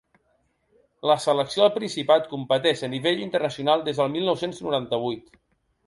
La selecció del Principat competeix a nivell internacional des del mil nou-cents noranta-vuit.